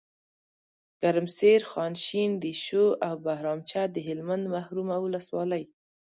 ګرمسیر، خانشین، دیشو او بهرامچه دهلمند محرومه ولسوالۍ